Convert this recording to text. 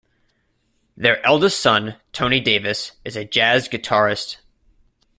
Their eldest son, Tony Davis, is a jazz guitarist.